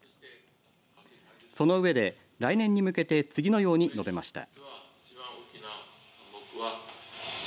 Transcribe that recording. その上で来年に向けて次のように述べました。